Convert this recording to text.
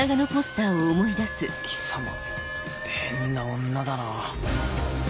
貴様変な女だな。